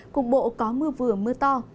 cục bộ có mưa vừa mưa to